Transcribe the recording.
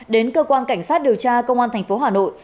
đến cơ quan cảnh sát điều tra công an tp hà nội